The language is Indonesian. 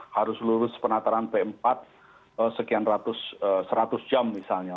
harus lurus penataran p empat sekian ratus jam misalnya